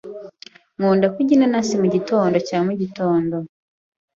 Nkunda kurya inanasi mugitondo cya mugitondo.